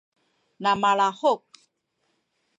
na malahuk